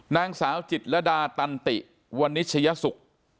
นางสาวจิตรดาตันติวันนิชยสุข